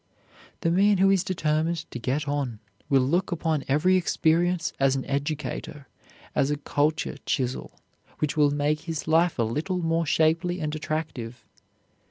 The man who is determined to get on will look upon every experience as an educator, as a culture chisel, which will make his life a little more shapely and attractive.